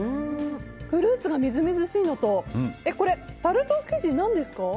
フルーツがみずみずしいのとタルト生地、何ですか？